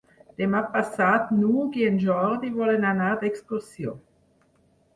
Demà passat n'Hug i en Jordi volen anar d'excursió.